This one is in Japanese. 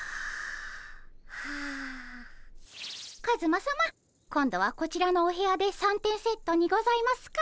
カズマさま今度はこちらのお部屋で三点セットにございますか？